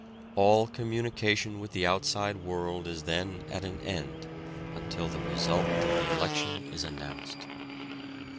All communication with the outside world is then at an end until the result of the election is announced.